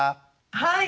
はい。